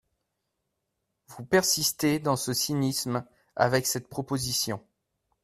Vous persistez dans ce cynisme avec cette proposition.